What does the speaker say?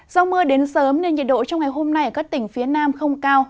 do mưa đến sớm nên nhiệt độ trong ngày hôm nay ở các tỉnh phía nam không cao